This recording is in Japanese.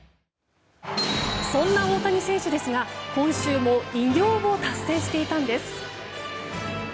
そんな大谷選手ですが今週も偉業を達成していたんです。